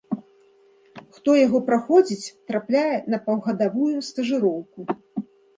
Хто яго праходзіць, трапляе на паўгадавую стажыроўку.